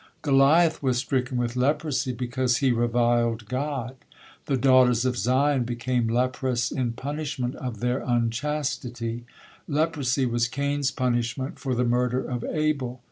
Goliath was stricken with leprosy because he reviled God; the daughters of Zion became leprous in punishment of their unchastity; leprosy was Cain's punishment for the murder of Abel.